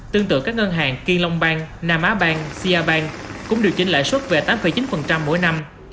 tương tự các ngân hàng kiên long bank nam á bank sia bank cũng điều chỉnh lãi suất về tám chín mỗi năm